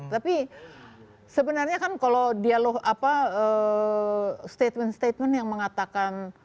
tapi sebenarnya kan kalau dialog apa statement statement yang mengatakan